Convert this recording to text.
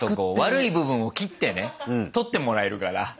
悪い部分を切ってね取ってもらえるから。